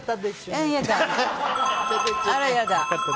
あら嫌だ。